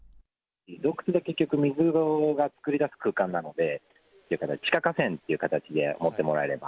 洞窟は結局、水が作り出す空間なので、地下河川っていう形で思ってもらえれば。